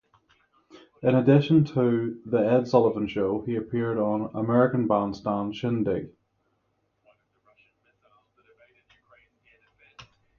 In addition to "The Ed Sullivan Show", he appeared on "American Bandstand", "Shindig!